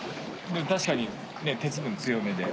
確かに鉄分強めで。